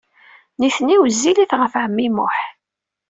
Nitenti wezzilit ɣef ɛemmi Muḥ.